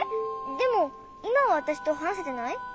でもいまはわたしとはなせてない？